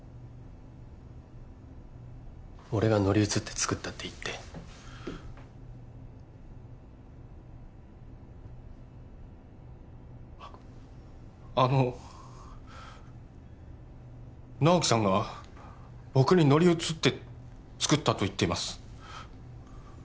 俺が乗り移って作ったって言ってあの直木さんが僕に乗り移って作ったと言っています